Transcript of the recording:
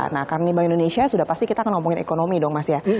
nah karena ini bank indonesia sudah pasti kita akan ngomongin ekonomi dong mas ya